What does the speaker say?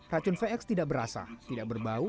racun vx tidak berasa tidak berbau